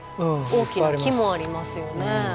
大きな木もありますよね。